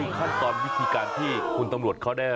คือขั้นตอนวิธีการที่คุณตำรวจเขาได้